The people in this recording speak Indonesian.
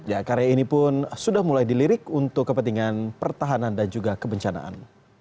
ya karya ini pun sudah mulai dilirik untuk kepentingan pertahanan dan juga kebencanaan